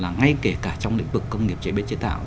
là ngay kể cả trong lĩnh vực công nghiệp chế biến chế tạo